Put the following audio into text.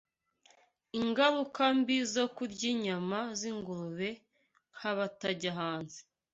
ingaruka mbi zo kurya inyama z’ingurube nk’abatajya hanze